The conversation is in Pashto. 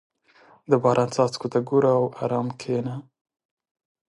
• د باران څاڅکو ته ګوره او ارام کښېنه.